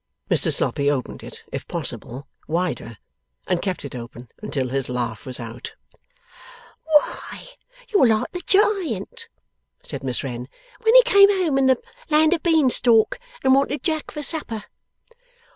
Mr Sloppy opened it, if possible, wider, and kept it open until his laugh was out. 'Why, you're like the giant,' said Miss Wren, 'when he came home in the land of Beanstalk, and wanted Jack for supper.